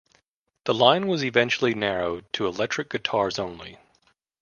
The line was eventually narrowed to electric guitars only.